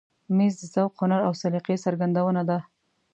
مېز د ذوق، هنر او سلیقې څرګندونه ده.